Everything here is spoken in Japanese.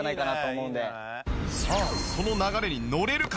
さあその流れに乗れるか？